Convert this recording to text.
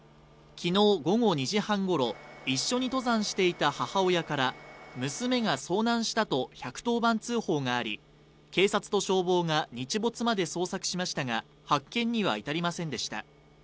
昨日午後２時半ごろ、一緒に登山していた母親から、娘が遭難したと１１０番通報があり、警察と消防が日没まで捜索しましたが発見には至りませんでした。